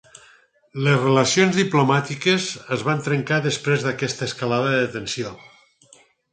Les relacions diplomàtiques es van trencar després d'aquesta escalada de tensió.